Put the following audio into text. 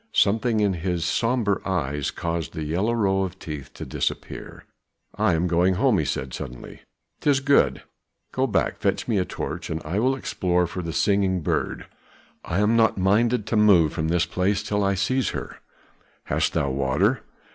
Something in his sombre eyes caused the yellow row of teeth to disappear. "I am going home," he said suddenly. "'Tis good! Go back, fetch me a torch, and I will explore for the singing bird. I am not minded to move from this place till I shall seize her." "Hast thou water?"